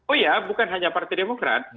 oh ya bukan hanya partai demokrat